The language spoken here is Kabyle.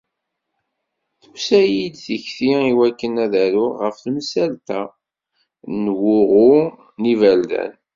Tusa-yi-d tikti iwakken ad d-aruɣ ɣef temsalt-a n twuɣa n yiberdan.